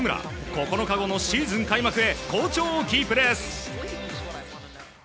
９日後のシーズン開幕へ好調をキープです。